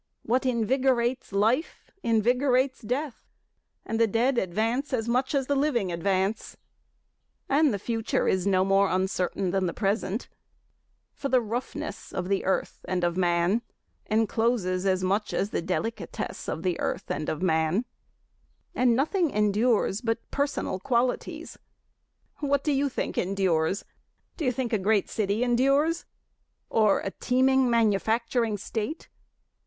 What invigorates life invigorates death, And the dead advance as much as the living advance, And the future is no more uncertain than the present, For the roughness of the earth and of man encloses as much as the delicatesse of the earth and of man, And nothing endures but personal qualities. What do you think endures? Do you think a great city endures? Or a teeming manufacturing state?